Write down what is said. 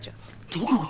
どこが？